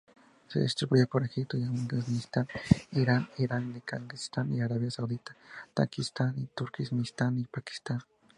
Se distribuye por Egipto, Afganistán, Irán, Irak, Kazajistán, Arabia Saudita, Tayikistán, Turkmenistán y Pakistán.